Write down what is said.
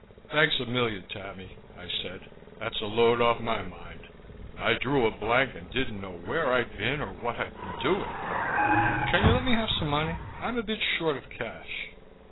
"Thanks a million, Tammy," I said. "That's a load off my mind. I drew a blank and didn't know where I'd been or what I'd been doing. Can you let me have some money? I'm a bit short of cash."